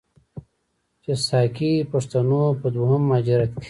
چې ساکي پښتنو په دویم مهاجرت کې،